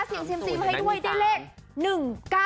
เสียงเซียมซีมาให้ด้วยได้เลข๑๙๙